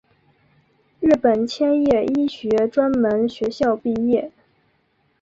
日本千叶医学专门学校毕业。